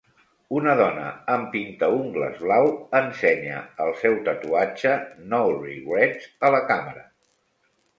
Una dona amb pintaungles blau ensenya el seu tatuatge "no regrets" a la càmera.